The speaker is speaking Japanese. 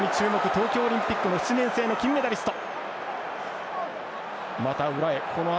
東京オリンピックの７人制の金メダリスト。